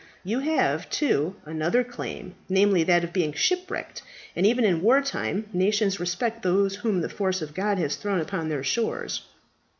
You have, too, another claim, namely, that of being shipwrecked, and even in war time nations respect those whom the force of God has thrown upon their shores."